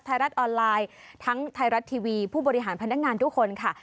ไทยรัฐออนไลน์ทั้งไทยรัฐทีวีผู้บริหารพนักงานทุกคนค่ะ